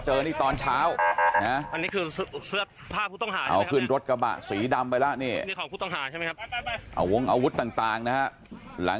หลังจากได้ใกล้นี้นะฮะ